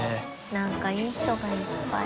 何かいい人がいっぱい。